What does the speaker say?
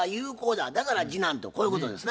だから次男とこういうことですな？